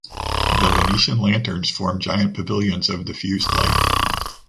The Venetian lanterns formed giant pavilions of diffused light.